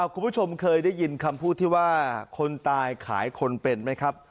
คุณผู้ชมเคยได้ยินคำพูดที่ว่าคนตายขายคนเป็นไหมครับ